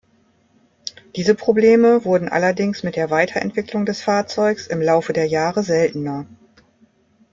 Diese Probleme wurden allerdings mit der Weiterentwicklung des Fahrzeugs im Laufe der Jahre seltener.